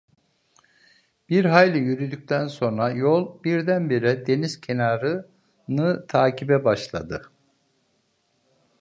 Bir hayli yürüdükten sonra yol birdenbire deniz kenarını takibe başladı.